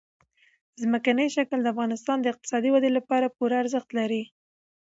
ځمکنی شکل د افغانستان د اقتصادي ودې لپاره پوره ارزښت لري.